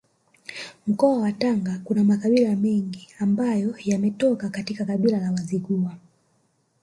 Mkoa wa Tanga kuna makabila mengi ambayo yametoka katika kabila la Wazigua